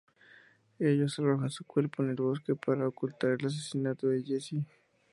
Ellos arrojan su cuerpo en el bosque para ocultar el asesinato a Jesse.